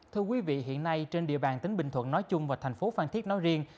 thưa quý vị hiện nay trên địa bàn tỉnh bình thuận nói chung và thành phố phan thiết nói riêng